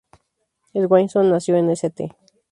Swainson nació en St.